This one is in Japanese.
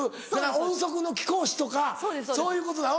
「音速の貴公子」とかそういうことだ。